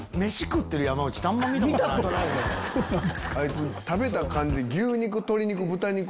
あいつ食べた感じで。